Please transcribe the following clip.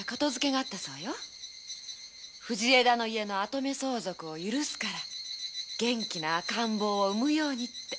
「藤枝家の跡目を許すから元気な赤ん坊を産むように」って。